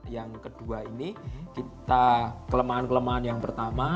yang kedua ini kita kelemahan kelemahan yang pertama